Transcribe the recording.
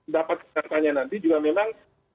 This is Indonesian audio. dapat katanya nanti juga memang